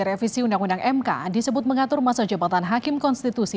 revisi undang undang mk disebut mengatur masa jabatan hakim konstitusi